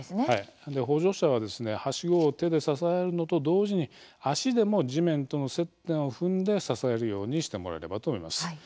補助者ははしごを手で支えるのと同時に、足でも地面との接点を踏んで支えるようにしてもらえればと思います。